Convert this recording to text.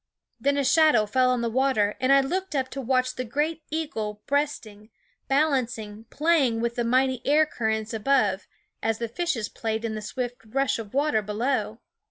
Then a shadow fell on the water, and I looked up to watch the great eagle breast ing, balancing, playing with the mighty air currents above, as the fishes played in the swift rush of water below.